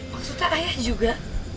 maksudnya ayah juga